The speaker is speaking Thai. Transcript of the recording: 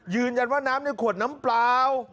ยืนอย่างว่าน้ำในขวดน้ำเปล่า